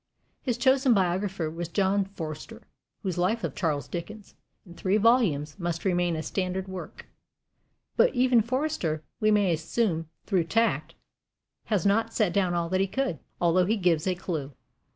His chosen biographer was John Forster, whose Life of Charles Dickens, in three volumes, must remain a standard work; but even Forster we may assume through tact has not set down all that he could, although he gives a clue.